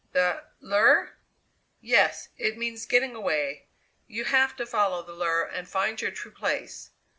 "The lure?" "Yes. It means getting away. You have to follow the lure and find your true place.